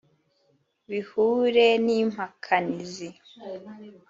bihure n’impakanizi